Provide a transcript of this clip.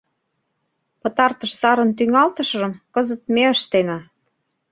Пытартыш сарын тӱҥалтышыжым кызыт ме ыштена!..